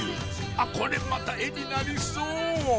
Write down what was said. あっこれまた絵になりそう！